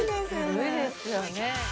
ずるいですよね。